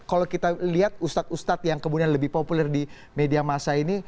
kalau kita lihat ustadz ustadz yang kemudian lebih populer di media masa ini